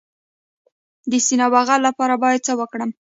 د سینه بغل لپاره باید څه وکړم؟